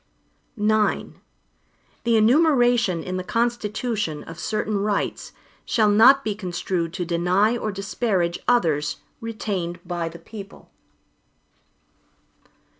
IX The enumeration in the Constitution, of certain rights, shall not be construed to deny or disparage others retained by the people.